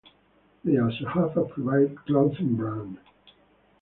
They also have a private clothing brand.